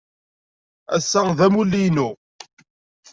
Ass-a d amulli-inu.